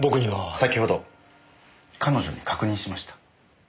先ほど彼女に確認しました。